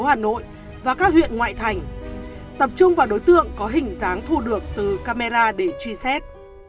hà nội và các huyện ngoại thành tập trung vào đối tượng có hình dáng thu được từ camera để truy xét